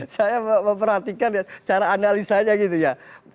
saya memperhatikan ya cara analisanya gitu ya